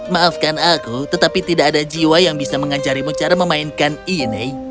maafkan aku tetapi tidak ada jiwa yang bisa mengajarimu cara memainkan ini